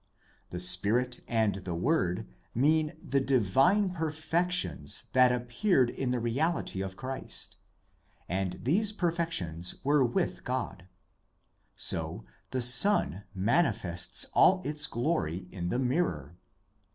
The Spirit and the Word mean the divine perfections that appeared in the Reality of Christ, and these perfections were with God; so the sun manifests all its glory in the mirror.